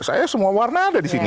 saya semua warna ada disini